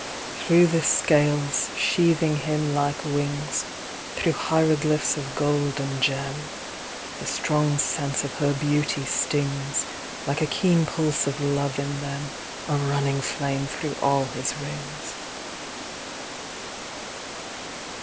VII Through the scales sheathing him like wings, Through hieroglyphs of gold and gem, The strong sense of her beauty stings, Like a keen pulse of love in them, A running flame through all his rings.